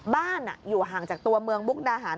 บ้านอยู่ห่างจากตัวเมืองมุกดาหาร